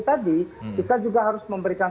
tadi kita juga harus memberikan